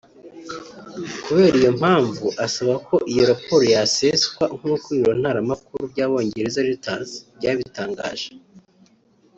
Kubera iyo mpamvu asaba ko iyo raporo yaseswa nk’uko ibiro ntaramakuru by’abongereza Reuters byabitangaje